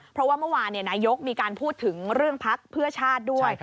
เพราะว่าเมื่อวานนายกมีการพูดถึงเรื่องพักเพื่อชาติด้วย